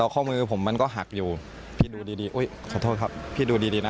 ข้อมือผมมันก็หักอยู่พี่ดูดีอุ๊ยขอโทษครับพี่ดูดีดีนะ